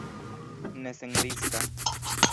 Ne senriska!